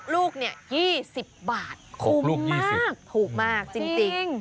ลูก๒๐บาทคุ้มมากถูกมากจริง